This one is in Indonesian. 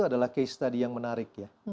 itu adalah case study yang menarik ya